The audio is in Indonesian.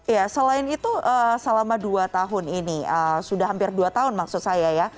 ya selain itu selama dua tahun ini sudah hampir dua tahun maksud saya ya